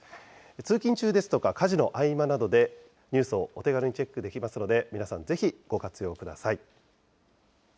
通勤中ですとか、家事の合間などで、ニュースをお手軽にチェックできますので、皆さん、ぜひご活用ください。